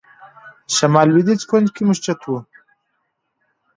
شمال لوېدیځ کونج کې مسجد و.